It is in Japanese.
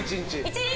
１日。